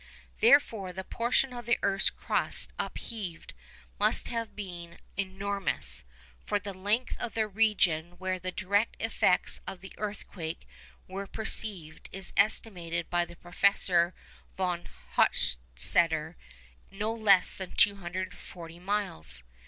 Therefore the portion of the earth's crust upheaved must have been enormous, for the length of the region where the direct effects of the earthquake were perceived is estimated by Professor Von Hochstetter at no less than 240 miles.